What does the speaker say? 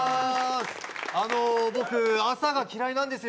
あの僕朝が嫌いなんですよ。